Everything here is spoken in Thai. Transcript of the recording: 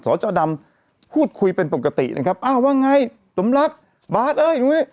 สอจอดำพูดคุยเป็นปกตินะครับว่าไงสมรักษณ์บาทเอ้ย